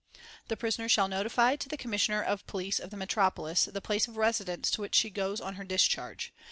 The prisoner shall notify to the Commissioner of Police of the Metropolis the place of residence to which she goes on her discharge.